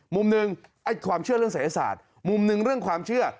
มุมหนึ่งความเชื่อเรื่องศัยศาสตร์มุมหนึ่งเรื่องความเชื่อ